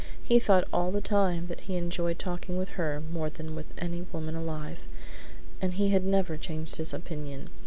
He thought all the time that he enjoyed talking with her more than with any woman alive, and he had never changed his opinion.